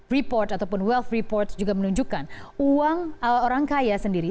report ataupun well report juga menunjukkan uang orang kaya sendiri